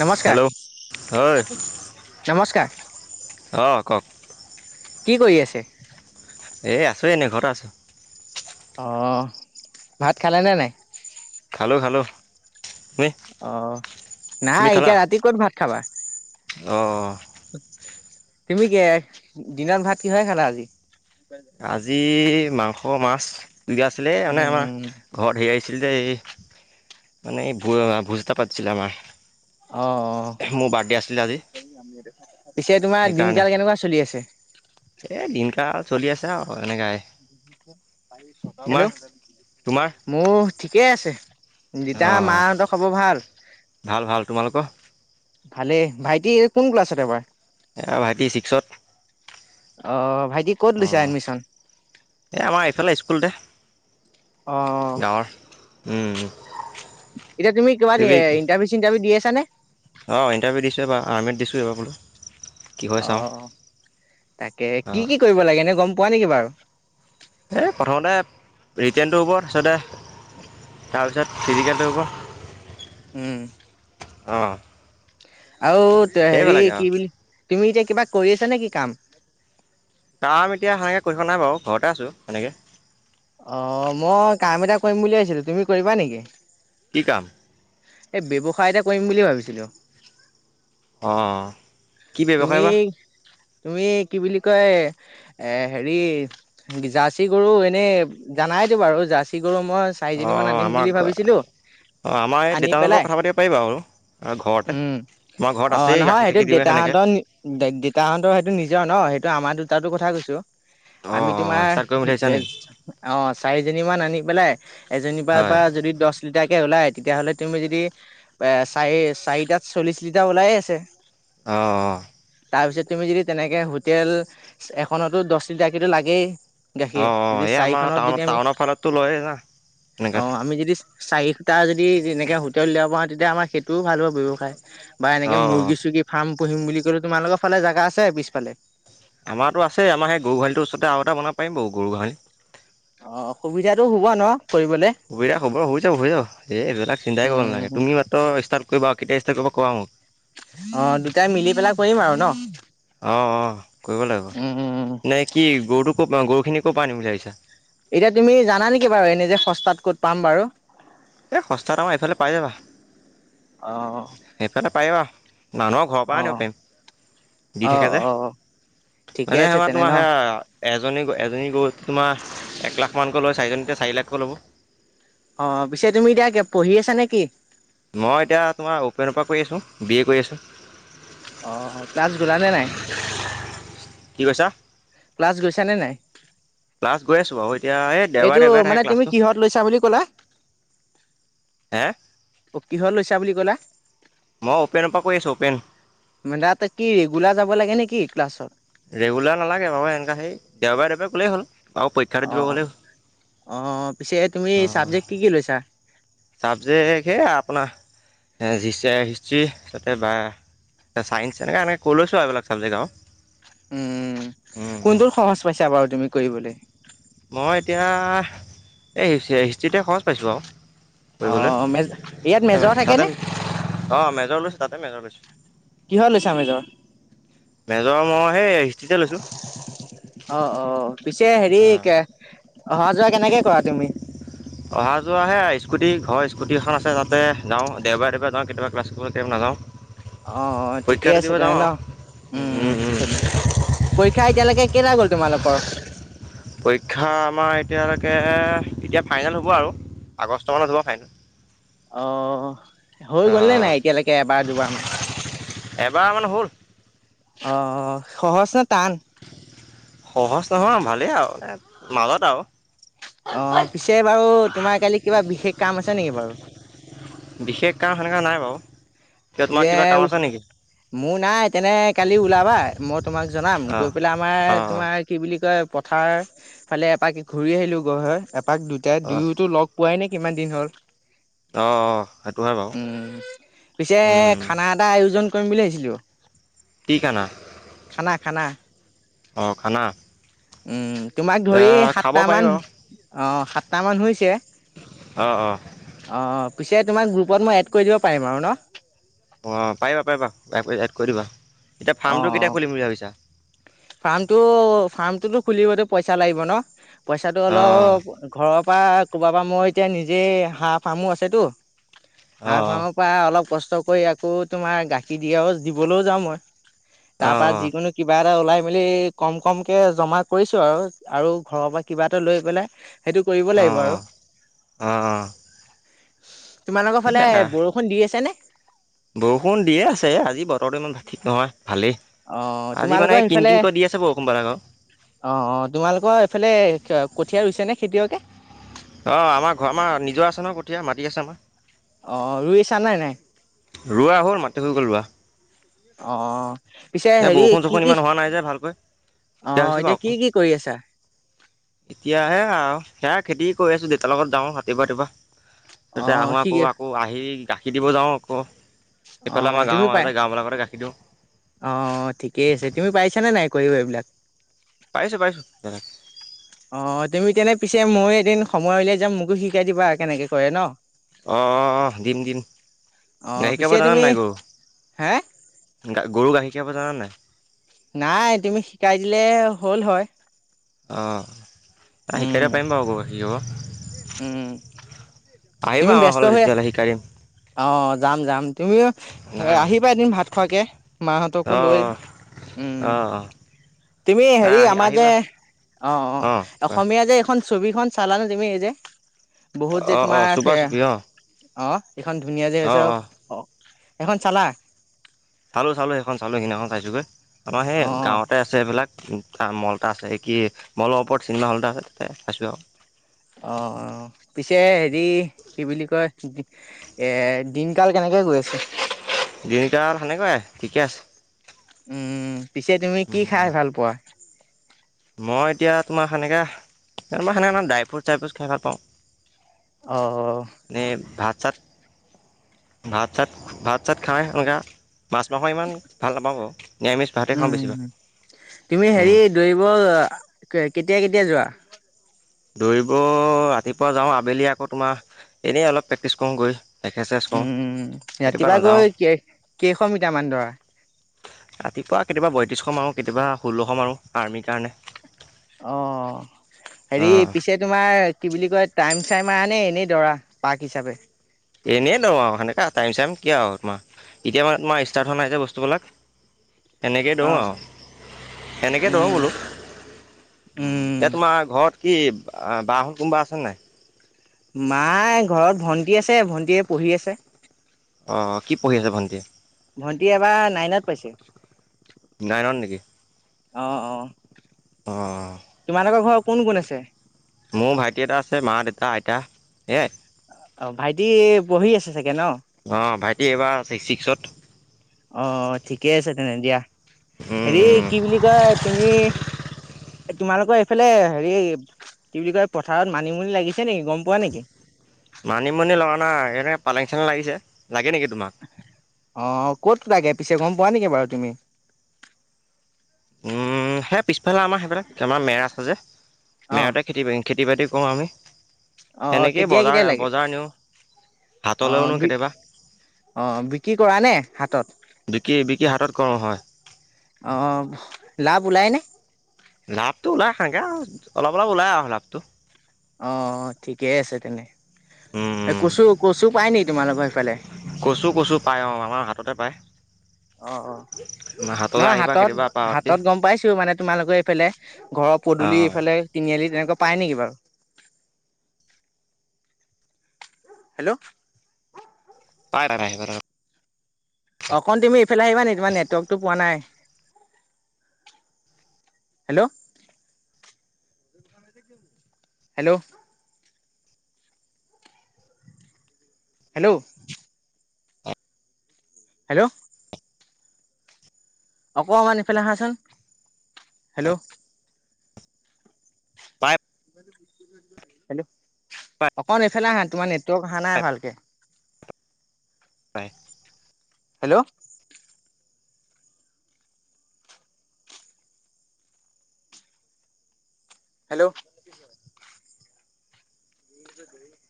নমস্কাৰ, হেল্ল' হয় নমস্কাৰ। অঁ' কওক? কি কৰি আছে? এই আছোঁ এনেই ঘৰতে আছোঁ। অঁ' ভাত খালেনে নাই? খালোঁ খালোঁ, তুমি? অঁ' তুমি নাই খালা এতিয়া ৰাতি ক'ত ভাত খাবা। অঁ। তুমি কি দিনত ভাত কিহৰে খালা আজি? আজি মাংস মাছ দিয়া আছিলে মানে আমাৰ উম ঘৰত হেৰি আহিছিল যে এই মানে এই ভোজ এটা পাতিছিলে আমাৰ। অঁ' অঁ' মোৰ বাৰ্থডে আছিলে আজি পিছে তোমাৰ দিনকাল কেনেকুৱা চলি আছে? এ দিন কাল চলি আছে আৰু এনেকাই। তোমাৰ হেল্ল'। তোমাৰ মোৰ ঠিকেই আছে। দেউতা, অঁ মাহঁতৰ খবৰ ভাল? ভাল ভাল, তোমালোকৰ? ভালে। ভাইটি কোন ক্লাছত এবাৰ? এয়া ভাইটি ছিক্সত। অঁ' ভাইটি ক'ত লৈছে অঁ এডমিশন। এই আমাৰ এইফালে স্কুলতে অ গাঁৱৰ, উমঁ' উমঁ। এতিয়া তুমি কিবা এ ইণ্টাৰভিউ চিটাৰভিউ দি আছা নে? অঁ' ইণ্টাৰভিউ দিছোঁ এবাৰ আৰ্মিত দিছোঁ এইবাৰ বোলো। কি হয় চাওঁ অঁ' তাকে, অঁ কি কি কৰিব লাগে এনে গম পোৱা নেকি বাৰু? এই প্ৰথমতে ৰিটাৰ্ণটো হ'ব তাৰপিছতে [unintelligible] তাৰপিছত ফিজিকেলটো হ'ব। উমঁ'। অঁ'। আৰু হেৰি সেইবিলাকে আৰু কি বুলি, তুমি এতিয়া কিবা কৰি আছা নেকি কাম? কাম এতিয়া সেনেকৈ কৰি থোৱা নাই বাৰু ঘৰতে আছোঁ সেনেকৈ। অঁ' মই কাম এটা কৰিম বুলি ভাৱিছিলো। তুমি কৰিবা নেকি? কি কাম? এই ব্যৱসায় এটা কৰিম বুলি ভাবিছিলোঁ। অঁ। কি তুমি ব্যৱসায় বা তুমি কি বুলি কয় এ হেৰি জাৰ্চি গৰু এনেই জানাইতো বাৰু জাৰ্চি গৰু মই চাৰিজনী মান অ' আনিম বুলি আমাৰ ভাবিছিলো অ' আমাৰ এই আনি দেউতাহঁৰ লগত পেলাই কথা পাতিব পাৰিবা বাৰু ঘৰতে উম মই ঘৰত অ' আছেই নহয় গাখীৰ সেইটো চাখি দিওঁয়ে সেনেকৈ। দেউতাহঁতৰ দেউতাহঁতৰ সেইটো নিজৰ ন সেইটো আমাৰ দুটাৰতো কথা কৈছো। আমি অঁ অঁ ষ্টাৰ্ট কৰিম তোমাৰ বুলি ভাবিছা নেকি অ' চাৰিজনী মান আনি পেলাই এজনীৰ পৰা হয় পৰা যদি দহ লিটাৰাকে ওলায় তেতিয়াহ'লে তুমি যদি চাৰি চাৰিটাত চল্লিছ লিটাৰ ওলাইে আছে। অ' অ'। তাৰপিছত তুমি যদি তেনেকে হোটেল এখনতো দহ লিটাৰকেটো লাগেই গাখীৰ অঁ অঁ যদি এই আমাৰ চাৰিখনত টাউনত যদি আমি টাউনৰ ফালতো লয়েই না এনেকৈ অ' আমি যদি চাৰিটা যদি এনেকে হোটেলত উলিয়াব পাওঁ তেতিয়া আমাৰ সেইটোও ভাল হব ব্যৱসায়। বা এনেকে অঁ অঁ মুৰ্গী চৰ্গী ফাৰ্ম পুহিম বুলি কলে, তোমালোকৰ ফালে জেগা আছে পিছফালে? আমাৰটো আছে আমাৰ সেই গৰু গোহালিটো ওচৰতে আৰু এটা বনাব পাৰি বাৰু গৰু গোহালি। অ' সুবিধাটো হব ন কৰিবলে? সুবিধা হব হৈ যাব হৈ যাব এইবিলাক চিন্তাই কৰিব নালাগে। উম তুমি মাত্ৰ ষ্টাৰ্ট কৰিব আৰু কেতিয়া ষ্টাৰ্ট কৰিবা কবা মোক। অ' দুটাই মিলি পেলাই কৰিম আৰু ন? অ' অ' কৰিব উম, উম। লাগিব। নে কি গৰুটো ক'ৰ গৰুখিনি ক'ৰ পৰা আনিম বুলি ভাবিছা? এতিয়া তুমি জানা নেকি বাৰু এনে যে সস্তাত ক'ত পাম বাৰু? এই সস্তাত আমাৰ এইফালে পাই যাবা, অ', এইফালে পাই যাবা মানুহৰ ঘৰৰ পৰা আনিব অ'। পাৰিম। দি অ', থাকে যে অ', ঠিকে মানে সেই আছে আমাৰ তেনে তোমাৰ ন? সেয়া এজনী গ এজনী গৰু তোমাৰ এক লাখমানানকৈ লয় চাৰিজনীতে চাৰি লাখকৈ ল'ব। অ পিছে তুমি এতিয়া পঢ়ি আছা নে কি? মই এতিয়া তোমাৰ অ'পেনৰ পৰা কৈ আছো, বি এ কৰি আছো। অ ক্লাছ গলা নে নাই? কি কৈছা? ক্লাছ গৈছা নে নাই? ক্লাছ গৈ আছো বাৰু এতিয়া এই এইটো দেওবাৰে দেওবাৰে থাকে মানে তুমি ক্লাছটো কিহত লৈছা বুলি কলা? হে অ কিহত লৈছা বুলি কলা? মই অ'পেনৰ পৰা কৰি আছো অ'পেন। মানে তাত কি ৰেগুলাৰ যাব লাগে নেকি ক্লাছত? ৰেগুলাৰ নালাগে বাৰু এনেকা সেই দেওবাৰে দেওবাৰে গলেই হ'ল। আৰু পৰীক্ষাটো অ, দিব গ'লেই হ'ল অ পিছে তুমি অঁ চাবজেক্ট কি কি লৈছা? চাবজেক্ট সেয়া আপোনাৰ হিষ্ট্ৰী তাতে বা ছাইন্ঞ্চ এনেকৈ এনেকৈ লৈছো আৰু এইবিলাক চাবজেক্ট আৰু। উম, উম, উম। কোনটোৰ সহজ পাইছা বাৰু তুমি কৰিবলৈ? মই এতিয়া এই হিষ্ট্ৰিতে সহজ পাইছো আৰু। অ কৰিবলৈ মেজ ইয়াত মেজৰ তাতে থাকে নে? অঁ মেজৰ লৈছো তাতে মেজৰ লৈছো। কিহত লৈছা মেজৰ? মেজৰ মোৰ সেই হিষ্ট্ৰীিতে লৈছো। অ অ পিছে হেৰি অ' অহা যোৱা কেনেকে কৰা তুমি? অহা যোৱা হে স্কুটি ঘৰ স্কুটি এখন আছে তাতে যাওঁ দেওবাৰে দেওবাৰে যাও কেতিয়াবা ক্লাছ কেতিয়াবা কেতিয়াবা নাযাও। অ অ ঠিকে আছে তেনে ন উম আৰু চলি পৰীক্ষা এতিয়ালৈকে কেইটা তোমালোকৰ পৰীক্ষা আমাৰ এতিয়ালৈকে এতিয়া ফাইনেল হ'ব আৰু আগষ্ট মানত হ'ব ফাইনেল অ হৈ গ'লনে অঁ নাই এতিয়ালৈকে এবাৰ দুবাৰ মান এবাৰ মান হ'ল অ অ সহজ নে টান সহজ নহয় ভালেই আৱ মাজত আৱ অ পিছে বাৰু তোমাৰ কালি কিবা বিশেষ কাম আছে নেকি বাৰু বিশেষ কাম সেনেকা নাই বাৰু কিয় তোমাৰ কিবা তেতিয়া কাম উ আছে নেকি মোৰ নাই তেনেক কালি ওলাবা মই তোমাক জনাম অঁ গৈ পেলাই আমাৰ অঁ তোমাৰ কি বুলি কয় পথাৰ ফালে এপাক ঘূৰি আহিলো গৈ হয় এপাক দুটাই অঁ দুয়োটো লগ পোৱাই নাই কিমান দিন হ'ল অ অ সেইটো হয় বাৰু উম, পিছে উম খানা এটা আয়োজন কৰিম বুলি ভাবিছিলো কি খানা খানা খানা অ খানা উম তোমাক এ ধৰি খাব পাৰি সাতটামান বাৰু অ সাতটামান হৈছে অ অ অ অ পিছে তোমাক গ্ৰুপত মই এড কৰি দিব পাৰিম আৰু ন অ পাৰিবা পাৰিবা এড কৰি দিবা এতিয়া অ ফাৰ্মটো অ কেতিয়া খুলিম বুলি ভাবিছা ফাৰ্মটো ফাৰ্মটোতো খুলিবলে পইচা লাগিব ন পইচাটো অঁ অলপ ঘৰৰ পৰা ক'ৰবাৰ পৰা মই এতিয়া নিজেই হাঁহ ফাৰ্মো আছেতো হাঁহ অঁ ফাৰ্মত পৰা অলপ কষ্ট কৰি আকৌ তোমাৰ গাখীৰ দিয়াও দিবলৈও যাওঁ মই তাৰ অঁ পৰা যিকোনো কিবা এটা ওলাই মেলি কম কমকে জমা কৰিছোঁ আৰু আৰু ঘৰৰ পৰা কিবা এটা লৈ পেলাই সেইটো কৰিব অঁ লাগিব আৰু অঁ অঁ অঁ তোমালোকৰ ফালে অঁ ব বৰষুণ দি আছে নে বৰষুণ দিয়ে আছে আজি বতৰটো ইমান ঠিক নহয় ভালেই অ আজি মানে তোমালোকৰ কিন সেইফালে কিনকৈ দি আছে বৰষুণ বাৰু অ অ তোমালোকৰ এইফালে কঠীয়া ৰুইছে নে খেতিয়কে অ আমাৰ ঘৰ আমাৰ নিজৰ আছে ন কঠীয়া মাটি আছে আমাৰ অ ৰুইছা নে নাই ৰোৱা হ'ল মাটি হৈ গ'ল ৰোৱা অ পিছে এই হেৰি বৰষুণ চৰষুণ কি কি ইমান হোৱা নাই যে ভালকৈ অ দিগদাৰ হৈছে এতিয়া কি কি কৰি আছা এতিয়া সেয়া আও সেয়া খেতি কৰি আছোঁ দেউতাৰ লগত যাওঁ ৰাতিপুৱা ৰাতিপুৱা অ তাতে আহোঁ সি আকৌ আকৌ আহি গাখীৰ দিব যাওঁ আকৌ অ এইফালে আমাৰ গাঁৰ তুমি পাই মাজতে গাওঁ বিলাকতো গাখীৰ দিওঁ অ ঠিকেই আছে তুমি পাৰিছা নে নাই কৰিব এইবিলাক পাৰিছোঁ পাৰিছোঁ দাদা অ তুমি তেনে পিছে মই‌ এদিন সময় উলিয়াই যাম মোকো শিকাই দিবা আৰু কেনেকে কৰে ন অ অ দিম দিম অ গাখীৰ খীয়াব পিছে তুমি জান নাই গৰু হে গা গৰু গাখীৰ খিৰাব জানা নে নাই নাই তুমি শিকাই দিলে হ'ল হয়। অঁ নাই উম শিকাই দিব পাৰিম বাৰু আকৌ হিকাব। উম' আহিবা আমাৰ ঘলে তেতিয়াহ'লে শিকাই দিম। অঁ যাম যাম, তুমিও নাই আহিবা এদিন ভাত খোৱাকে। অ', মাহঁতকো লৈ অ', উম'। অ', তুমি নাই হেৰি আহি আমাৰ যে, আহিবা অঁ অ', অঁ' অসমী- য়া যে এইখন ছবিখন চালানে তুমি এই যে বহুত যে অ', অ', তোমাৰ চুপা ফেয়া- চুপি অ', অঁ' এইখন ধুনীয়া যে হৈছে অ সেইখন চালা? চালোঁ চালোঁ সেইখন চালোঁ সেইদিনাখন চাইছোঁগৈ আমাৰ অ সেই অ গাঁৱতে আছে এইবিলাক- তাৰ মল এটা আছে কি মলৰ ওপৰত চিনেমা হ'ল এটা আছে তাতে চাইছোঁ আও। অঁ অঁ পিছে হেৰি কি বুলি কয়- এ দিনকাল কেনেকে গৈ আছে? দিনকাল সেনেকুৱাই ঠিকে আছে। উম' পিছে তুমি কি খাই ভাল পোৱা? মই এতিয়া তোমাৰ সেনেকে ময় সেনেকে নহ ড্ৰাই ফ্ৰুট চাই ফ্ৰুট খাই ভাল পাওঁ। অঅ' নে ভাত চাত? ভাত চাত ভাত চাত খাই সেনেকুৱা মাছ মাংস ইমান ভাল নাপাওঁ ময়, নিৰামিষ- ভাতে খাওঁ উম বেছিভাগ। উম' তুমি হেৰি দৌৰিব কেতিয়া কেতিয়া যোৱা? দৌৰিব ৰাতিপুৱা যাওঁ আবেলি আকৌ তোমাৰ এনেই অলপ প্ৰেক্টিছ কৰোঁগৈ। এক্সাৰচাইজ উম কৰোঁ উম' কেতিয়াবা ৰাতিপুৱা নাযাওঁ গৈ কেইশ মিটাৰ মান দৌৰা? ৰাতিপুৱা কেতিয়াবা বয়ত্ৰিশ মাও কেতিয়াবা ষোল্লশ মাৰোঁ আৰ্মীৰ কাৰণে। অঁ হেৰি অঁ পিছেত- তোমাৰ কি বুলি কয় টাইম চাইম মাৰানে এনেই দৰা পাৰ্ক হিচাপে? এনেই দৌৰো আও সেনেকে আও টাইম চাইম কি আৰু তোমাৰ। এতিয়া মানে তোমাৰ ষ্টাৰ্ট হোৱা নাই যে বস্তুবিলাক। সেনেকেই অ দৌৰো আও সেনেকেই দৌৰো উম বোলো। উম' এতিয়া তোমাৰ ঘৰত কি বা হত কোনোবা আছে নে নাই? মায়ে ঘৰত ভণ্টি আছে ভণ্টিয়ে পঢ়ি আছে। অঁ কি পঢ়ি আছে ভণ্টিয়ে? ভণ্টি এবাৰ নাইনত পাইছে। নাইনত নেকি? অ অ অ অ' তোমালোকৰ ঘৰত কোন কোন আছে? মোৰ ভাইটি এটা আছে মা দেউতা আইতা এয়াই। অ' ভাইটি পঢ়ি আছে চাগে ন। অঁ' ভাইটি এইবাৰ ছিক্স ছিক্সত। অঁ' ঠিকে আছে তেনে দিয়া হেৰি উম, কি বুলি কয় তুমি- এ তোমালোকৰ এইফালে হেৰি কি বুলি কয় পথাৰত মানিমুনি লাগিছে নেকি গম পোৱা নেকি? মানিমুনি লগা নাই এনে পালেং চালেং লাগিছে লাগে নেকি তোমাক? অঁ ক'ত লাগে পিছে গম পোৱা নেকি বাৰু তুমি? উম' সেই পিছফালে আমাৰ সেইফালে আমাৰ মেৰ আছে যে অ মেৰতে খেতি কৰিম। খেতি বাতি কৰোঁ আমি। অ সেনেকেই কেতিয়া কেতিয়া বজাৰ লাগে বজাৰ নিওঁ হাতলৈও নিওঁ কেতিয়াবা। অঁ' বিক্ৰী কৰা নে হাতত? বিক্ৰি বিক্ৰি হাতত কৰোঁ হয়। অঁ লাভ উলায় নে? লাভটো ওলাই গে আৰু অলপ অলপ ওলাই আৰু লাভটো অ ঠিকেই আছে তেনে। এই উম, কচু কচু পায় নেকি? তোমালোকৰ সেইফালে। কচু কচু পাই অ আমাৰ হাততে পায়। অ অ হাতলৈ নহ আহিবা হাতত কেতিয়াবা পাই হাতত গম পাইছোঁ মানে তোমালোকে এইফালে ঘৰৰ পদূলি অঁ এইফালে তিনিআলি তেনেকুৱা পায় নেকি বাৰু। হেল্ল' পাই [unintelligible] অকন তুমি এইফালে আহিবা নি? তোমাৰ নেটৱৰ্কটো পোৱা নাই। হেল্ল' [unintelligible] হেল্ল' হেল্ল' হেল্ল' অকমান ইফালে আহাচোন। হেল্ল' পাই হেল্ল। অকণ এইফালে আহা তোমাৰ নেটৱৰ্ক অহা পায় নাই ভালকে পাই। Hello hello [unintelligible]